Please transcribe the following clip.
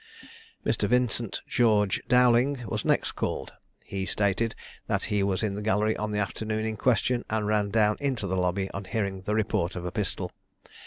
Mr. Vincent George Dowling was next called. He stated that he was in the gallery on the afternoon in question, and ran down into the lobby on hearing the report of a pistol.